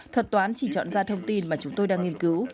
thuật toán chỉ chọn ra thông tin mà chúng tôi đang nghiên cứu